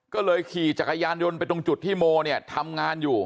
ก็เลยขี่จักรยานยนต์ไปตรงจุดที่โมเนี่ยทำงานอยู่